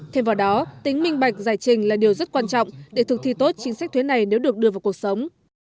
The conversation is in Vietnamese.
thêm vào đó tính minh bạch giải trình là điều rất quan trọng để thực thi tốt chính sách thuế này nếu được đưa vào cuộc sống